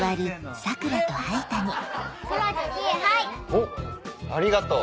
おっありがとう。